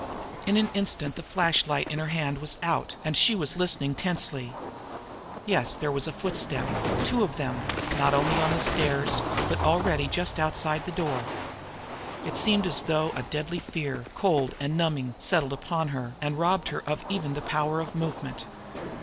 In an instant the flashlight in her hand was out, and she was listening tensely. Yes, there was a footstep two of them not only on the stairs, but already just outside the door. It seemed as though a deadly fear, cold and numbing, settled upon her and robbed her of even the power of movement.